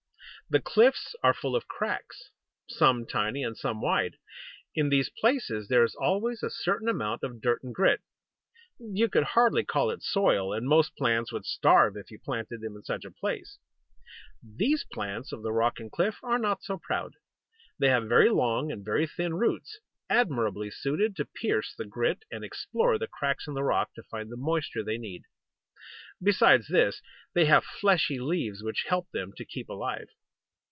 The cliffs are full of cracks, some tiny and some wide. In these places there is always a certain amount of dirt and grit. You could hardly call it "soil," and most plants would starve if you planted them in such a place. [Illustration: SEA LILY.] These plants of the rock and cliff are not so proud. They have very long and very thin roots, admirably suited to pierce the grit, and explore the cracks in the rock, to find the moisture they need. Besides this, they have fleshy leaves which help them to keep alive.